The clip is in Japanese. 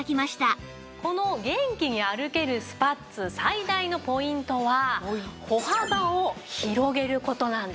この元気に歩けるスパッツ最大のポイントは歩幅を広げる事なんです。